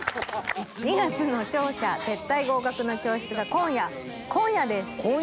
『二月の勝者絶対合格の教室』が今夜今夜です！